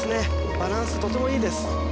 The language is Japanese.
バランスとてもいいです